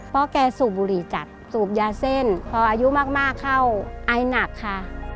พ่อแกสูบบุหรี่จัดสูบยาเส้นพ่ออายุมากมากเข้าอายหนักค่ะ